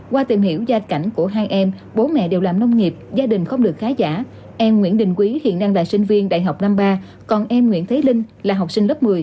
qua tìm hiểu gia cảnh của hai em bố mẹ đều làm nông nghiệp gia đình không được khá giả em nguyễn đình quý hiện đang là sinh viên đại học năm ba còn em nguyễn thế linh là học sinh lớp một mươi